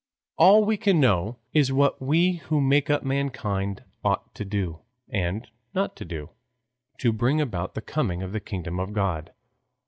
All we can know is what we who make up mankind ought to do, and not to do, to bring about the coming of the kingdom of God.